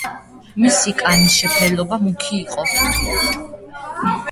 მისი კანის შეფერილობა მუქი იყო.